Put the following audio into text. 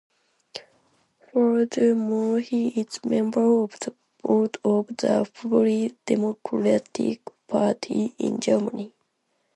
Furthermore he is member of the board of the Free Democratic Party in Germany.